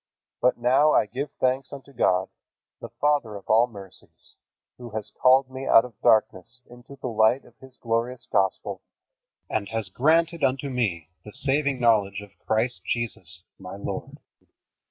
But now I give thanks unto God, the Father of all mercies, who has called me out of darkness into the light of His glorious Gospel, and has granted unto me the saving knowledge of Christ Jesus, my Lord.